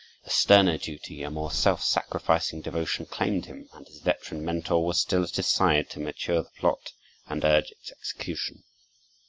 A sterner duty, a more self sacrificing devotion claimed him, and his veteran mentor was still at his side to mature the plan and urge its execution.